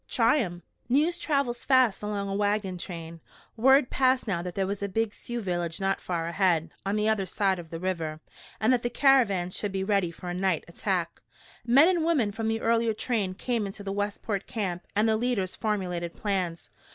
"Try him!" News travels fast along a wagon train. Word passed now that there was a big Sioux village not far ahead, on the other side of the river, and that the caravan should be ready for a night attack. Men and women from the earlier train came into the Westport camp and the leaders formulated plans.